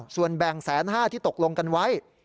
ส่วนแบ่ง๑๕๐๐ที่ตกลงกันไว้